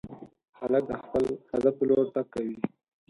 هلک د خپل هدف په لور تګ کوي.